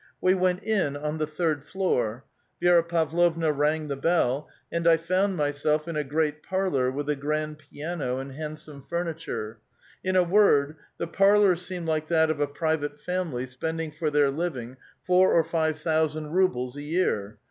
We went in on the third floor; Vi6ra Pavlovna rang the bell, and I found myself in a great parlor with a grand piano and handsome furniture — in a word, the parlor seemed like that of a private family spend ing for their living four or five thousand rubles a year.